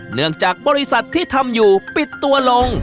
เนื่องจากบริษัทที่ทำอยู่ปิดตัวลง